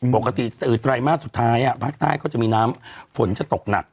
ไตรมาสสุดท้ายภาคใต้ก็จะมีน้ำฝนจะตกหนัก